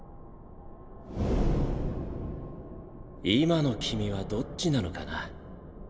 今の君はどっちなのかな？